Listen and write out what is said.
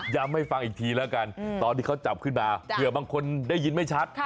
ให้ฟังอีกทีแล้วกันตอนที่เขาจับขึ้นมาเผื่อบางคนได้ยินไม่ชัด